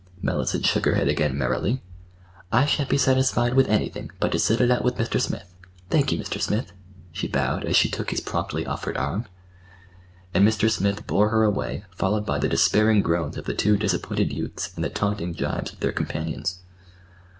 Mellicent shook her head again merrily. "I shan't be satisfied with anything—but to sit it out with Mr. Smith. Thank you, Mr. Smith," she bowed, as she took his promptly offered arm. And Mr. Smith bore her away followed by the despairing groans of the two disappointed youths and the taunting gibes of their companions.